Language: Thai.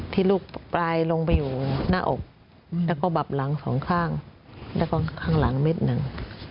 ที่ลูกปลายลงไปอยู่หน้าอกแล้วก็บับหลังสองข้างแล้วก็ข้างหลังเม็ดหนึ่ง